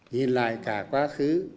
nhìn lại cả quá khứ